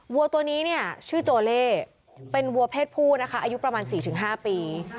วัวตัวนี้เนี่ยชื่อโจเล่เป็นวัวเพศผู้นะคะอายุประมาณ๔๕ปี